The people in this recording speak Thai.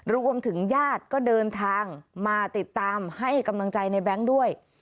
รวมถึงญาติก็เดินทางมาติดตามให้กำลังใจในแบงค์ด้วย